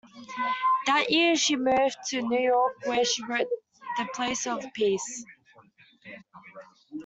That year, she moved to New York where she wrote "The Place of Peace".